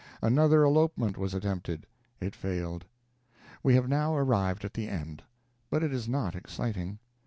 Another elopement was attempted. It failed. We have now arrived at the end. But it is not exciting.